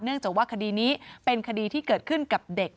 จากว่าคดีนี้เป็นคดีที่เกิดขึ้นกับเด็ก